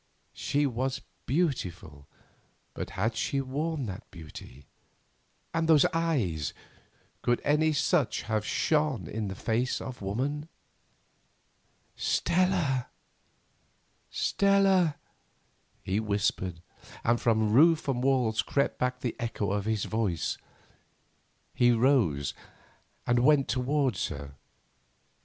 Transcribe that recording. She was beautiful, but had she worn that beauty? And those eyes! Could any such have shone in the face of woman? "Stella," he whispered, and from roof and walls crept back the echo of his voice. He rose and went towards her.